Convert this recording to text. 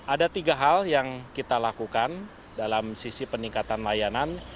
ada tiga hal yang kita lakukan dalam sisi peningkatan layanan